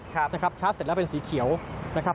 ชาร์จเสร็จแล้วเป็นสีเขียวนะครับ